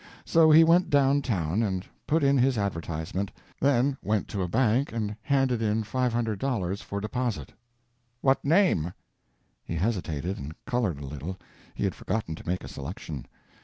So he went down town, and put in his advertisement, then went to a bank and handed in $500 for deposit. "What name?" He hesitated and colored a little; he had forgotten to make a selection.